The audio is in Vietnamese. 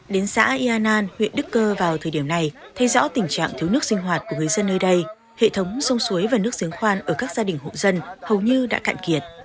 đến xã yên an huyện đức cơ vào thời điểm này thấy rõ tình trạng thiếu nước sinh hoạt của người dân nơi đây hệ thống sông suối và nước giếng khoan ở các gia đình hộ dân hầu như đã cạn kiệt